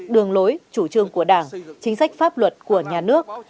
đường lối chủ trương của đảng chính sách pháp luật của nhà nước